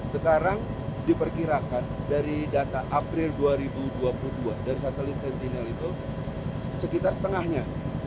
sekarang diperkirakan dari data april dua ribu dua puluh dua dari satelit sentinel itu sekitar setengahnya